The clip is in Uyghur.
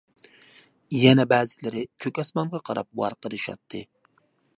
يەنە بەزىلىرى كۆك ئاسمانغا قاراپ ۋارقىرىشاتتى.